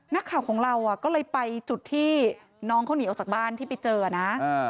นักข่าวของเราก็เลยไปจุดที่น้องเขาหนีออกจากบ้านที่ไปเจอนะ